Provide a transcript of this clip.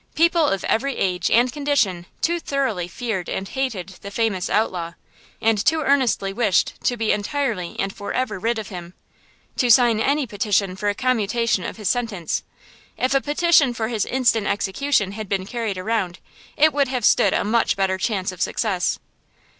People of every age and condition too thoroughly feared and hated the famous outlaw, and too earnestly wished to be entirely and forever rid of him, to sign any petition for a commutation of his sentence. If a petition for his instant execution had been carried around it would have stood a much better chance of success.